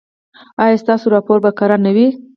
ایا ستاسو راپور به کره نه وي؟